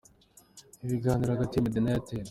Ibiganiro hagati ya Meddy na Airtel.